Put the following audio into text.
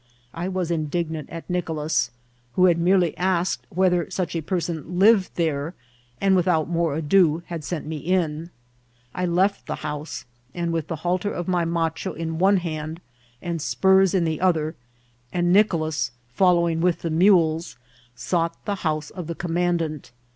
I was indignant at Nicolas, who had merely asked whether such a person lived there, and without more ado had sent me in. I left the house, and with the halter of my macho in one hand and spurs in the other, and Nicolas following with the mules, sought the house of the commandant.